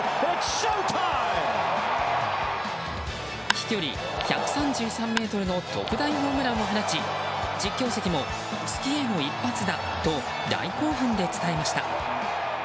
飛距離１３３ｍの特大ホームランを放ち実況席も月への一発だと大興奮で伝えました。